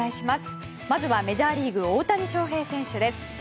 まずはメジャーリーグ大谷翔平選手です。